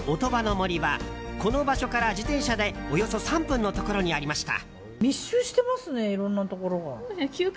森はこの場所から自転車でおよそ３分のところにありました。